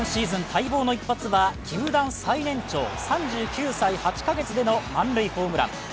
待望の一発は球団最年長３９歳８カ月での満塁ホームラン。